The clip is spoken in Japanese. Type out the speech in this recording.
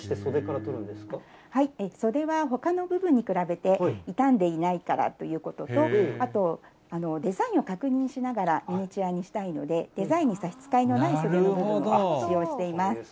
これ、袖はほかの部分に比べて傷んでいないからということと、あと、デザインを確認しながらミニチュアにしたいので、デザインにさしつかえないのない袖の部分から利用しています。